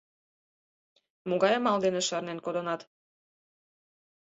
— Могай амал дене шарнен кодынат?